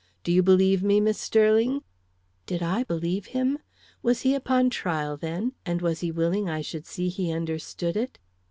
Do you believe me, Miss Sterling?" Did I believe him? Was he upon trial, then, and was he willing I should see he understood it?